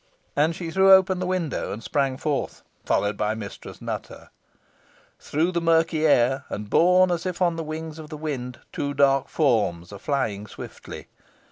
And she threw open the window and sprang forth, followed by Mistress Nutter. Through the murky air, and borne as if on the wings of the wind, two dark forms are flying swiftly.